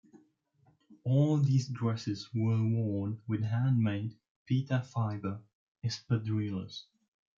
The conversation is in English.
All these dresses were worn with handmade pita-fibre espadrilles.